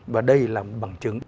và đây là bằng chứng